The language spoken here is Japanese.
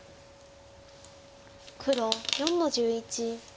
黒４の十一。